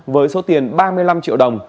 với số tiền ba mươi năm triệu đồng